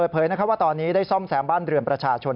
ว่าตอนนี้ได้ซ่อมแซมบ้านเรือนประชาชน